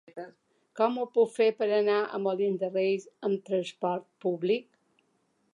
Com ho puc fer per anar a Molins de Rei amb trasport públic?